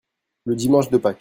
Le dimanche de Pâques.